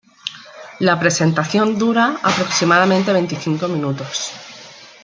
La presentación dura aproximadamente veinticinco minutos.